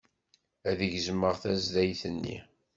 Ad gezmeɣ tazdayt-nni.